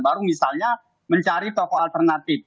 baru misalnya mencari toko alternatif